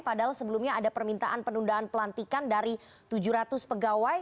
padahal sebelumnya ada permintaan penundaan pelantikan dari tujuh ratus pegawai